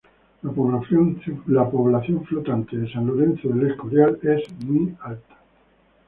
La población flotante de San Lorenzo de El Escorial es muy alta.